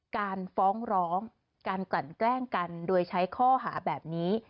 การฟ้องร้องการกลั่นแกล้งกันโดยใช้ข้อหาแบบนี้